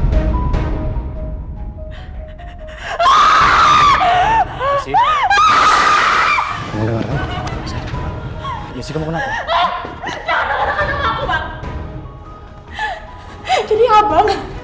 biar papa tau sebenernya abang itu apa